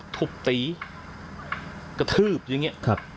ทุบตีกระทืบอย่างนี้